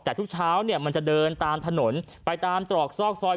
แต่ทุกเช้าเนี่ยมันจะเดินตามถนนไปตามตรอกซอกซอย